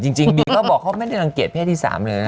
จริงซีเบียนก็บอกไม่ได้ระเกียจเพชรที่สามเลยนะ